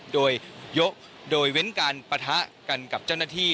โดยยกโดยเว้นการปะทะกันกับเจ้าหน้าที่